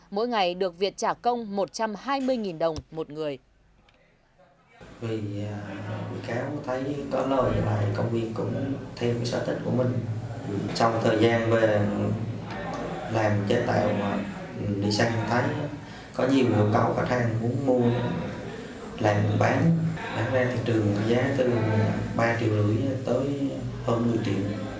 mỗi ngày được việt trả công một trăm hai mươi đồng một người